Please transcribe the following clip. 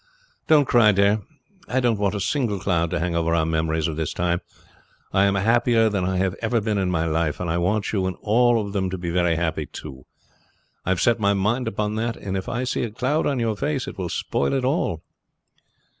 Don't cry, dear. I don't want a single cloud to hang over our memories of this time. I am happier than I have ever been in my life, and I want you and all of them to be very happy too. I have set my mind upon that, and if I see a cloud on your face it will spoil it all."